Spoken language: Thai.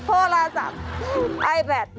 โทรศัพท์ไอแบต